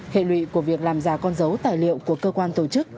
hệ lụy của việc làm giả con dấu tài liệu của cơ quan tổ chức